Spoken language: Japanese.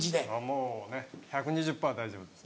もうね１２０％大丈夫です。